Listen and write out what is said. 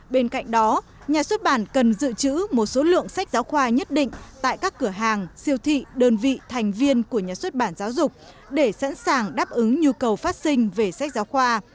bên cạnh đó nhà xuất bản cần dự trữ một số lượng sách giáo khoa nhất định tại các cửa hàng siêu thị đơn vị thành viên của nhà xuất bản giáo dục để sẵn sàng đáp ứng nhu cầu phát sinh về sách giáo khoa